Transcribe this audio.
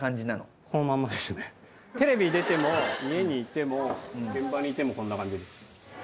テレビ出ても家にいても現場にいてもこんな感じです。